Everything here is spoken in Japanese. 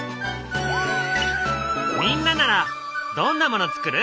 みんなならどんなものつくる？